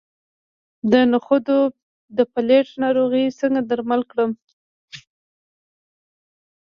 د نخودو د پیلټ ناروغي څنګه درمل کړم؟